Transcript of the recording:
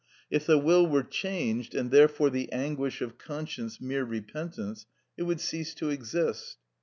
If the will were changed, and therefore the anguish of conscience mere repentance, it would cease to exist.